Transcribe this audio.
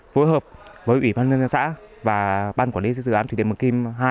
phối hợp với ủy ban nhân dân xã và ban quản lý dự án thủy điện mường kim hai